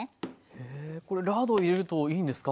へこれラードを入れるといいんですか？